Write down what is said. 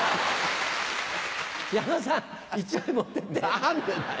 何でだよ。